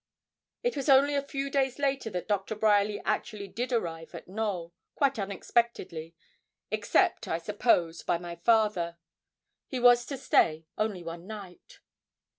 It was only a few days later that Dr. Bryerly actually did arrive at Knowl, quite unexpectedly, except, I suppose, by my father. He was to stay only one night.